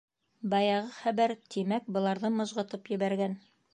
Баяғы хәбәр, тимәк, быларҙы мыжғытып ебәргән.